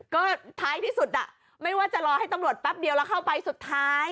ก็ท้ายที่สุดไม่ว่าจะรอให้ตำรวจแป๊บเดียวแล้วเข้าไปสุดท้าย